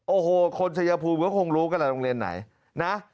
โอ้โหคนชัยภูมิก็คงรู้กันแหละโรงเรียนไหนนะ